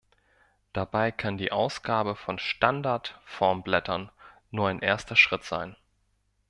Dabei kann die Ausgabe von Standardformblättern nur ein erster Schritt sein.